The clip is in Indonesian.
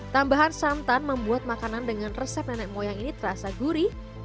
tambahan santan membuat makanan dengan resep nenek moyang ini terasa gurih